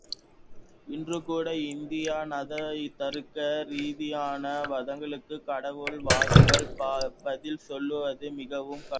இன்று கூட இந்திய நாத்திகவாதிகளின் தருக்க ரீதியான வாதங்களுக்கு கடவுள் வாதிகள் பதில் சொல்லுவது மிகவும் கடினம்.